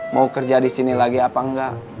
mau kerja disini lagi apa enggak